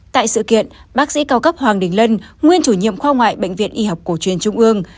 tại sự kiện bác sĩ cao cấp hoàng đình lân nguyên chủ nhiệm khoa ngoại bệnh viện y học cổ truyền trung ương